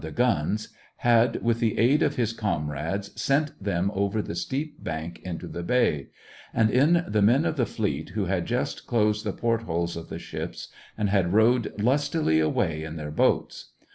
the guns, had, with the aid of his comrades, sent them over the steep bank into the bay ; and in the men of the fleet, who had just closed the port holes of the ships, and had rowed lustily away in their boats.